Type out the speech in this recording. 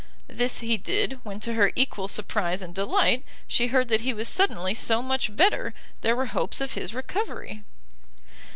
This he did, when to her equal surprise and delight, she heard that he was suddenly so much better, there were hopes of his recovery.